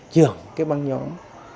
trưởng cái băng nhóm